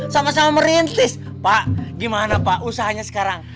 sama sama merintis pak gimana pak usahanya sekarang